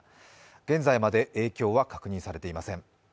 現在まで影響は確認されていません。